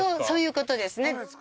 そういうことですね。